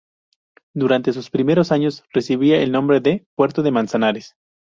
Durante sus primeros años recibía el nombre de "puerto de Manzanares".